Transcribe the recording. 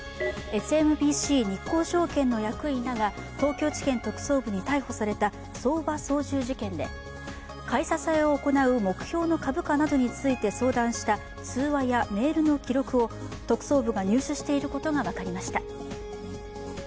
ＳＭＢＣ日興証券の役員らが東京地検特捜部に逮捕された相場操縦事件で、買い支えを行う目標の株価などについて通話やメールの記録を特捜部が入手していることが分かりました。